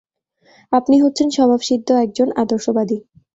আপনি হচ্ছেন স্বভাবসিদ্ধ একজন আদর্শবাদী!